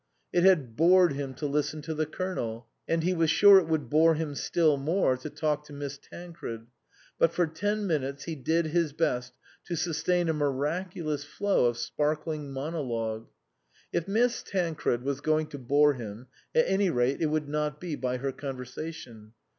It had bored him to listen to the Colonel, and he was sure it would bore him still more to talk to Miss Tancred ; but for ten minutes he did his best to sustain a miraculous flow of sparkling monologue. If Miss Tancred was going to bore him, at any rate it would not be by her conversa tion.